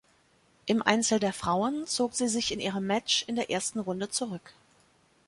Im Einzel der Frauen zog sie sich in ihrem Match in der ersten Runde zurück.